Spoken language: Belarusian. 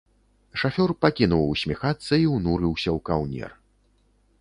Шафёр пакінуў усміхацца і ўнурыўся ў каўнер.